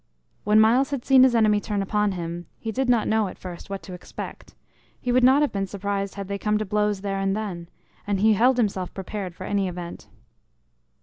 When Myles had seen his enemy turn upon him, he did not know at first what to expect; he would not have been surprised had they come to blows there and then, and he held himself prepared for any event.